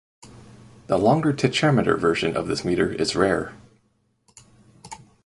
The longer tetrameter version of this metre is rare.